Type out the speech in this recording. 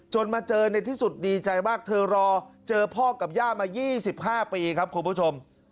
มาเจอในที่สุดดีใจมากเธอรอเจอพ่อกับย่ามา๒๕ปีครับคุณผู้ชม